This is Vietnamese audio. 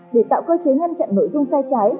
để tạo cơ chế ngăn chặn nội dung sai trái